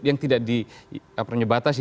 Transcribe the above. yang tidak di penyebatasi